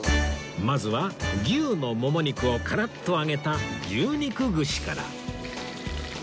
まずは牛のもも肉をカラッと揚げた牛肉串しから